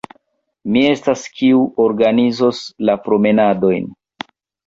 Mi estas, kiu organizos la promenadojn.